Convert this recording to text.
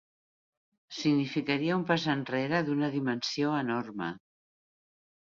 Significaria un pas enrere d’una dimensió enorme.